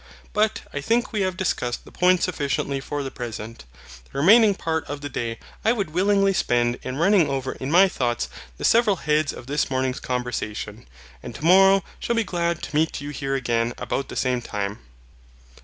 But I think we have discussed the point sufficiently for the present. The remaining part of the day I would willingly spend in running over in my thoughts the several heads of this morning's conversation, and tomorrow shall be glad to meet you here again about the same time.